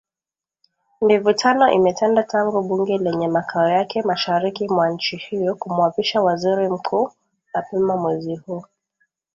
Mivutano imetanda tangu bunge lenye makao yake mashariki mwa nchi hiyo kumwapisha Waziri Mkuu mapema mwezi huu.